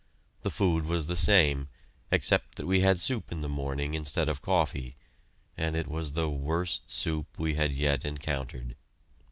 The food was the same, except that we had soup in the morning instead of coffee, and it was the worst soup we had yet encountered.